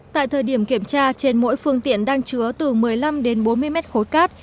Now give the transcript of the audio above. tại thời điểm kiểm tra trên mỗi phương tiện đang chứa từ một mươi năm đến bốn mươi mét khối cát